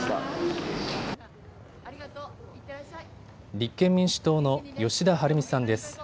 立憲民主党の吉田晴美さんです。